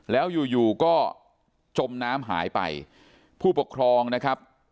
แล้วอยู่อยู่ก็จมน้ำหายไปผู้ปกครองนะครับ